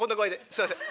すいません。